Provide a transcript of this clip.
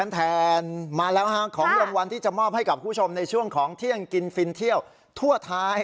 แทนมาแล้วของรางวัลที่จะมอบให้กับคุณผู้ชมในช่วงของเที่ยงกินฟินเที่ยวทั่วท้าย